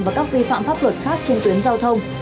và các vi phạm pháp luật khác trên tuyến giao thông